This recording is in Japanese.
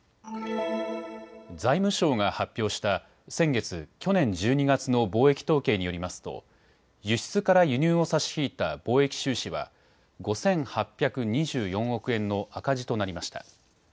財務省が発表した、先月・去年１２月の貿易統計によりますと輸出から輸入を差し引いた貿易収支は５８２４億円の赤字となりました。